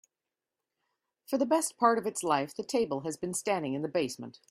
For the best part of its life, the table has been standing in the basement.